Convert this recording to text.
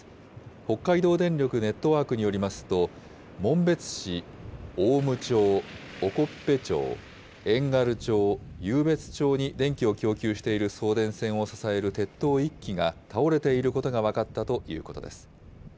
北海道電力ネットワークによりますと、紋別市、雄武町、興部町、遠軽町、湧別町に電気を供給している送電線を支える鉄塔１基が倒れていることが分かったということです。